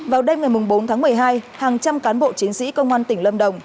vào đêm ngày bốn tháng một mươi hai hàng trăm cán bộ chiến sĩ công an tỉnh lâm đồng